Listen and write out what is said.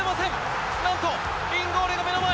なんとインゴールの目の前！